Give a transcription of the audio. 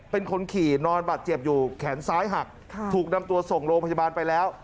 เป็นคนขี่นอนบาดเจ็บอยู่แขนซ้ายหักถูกนำตัวส่งโรงพยาบาลไปแล้ว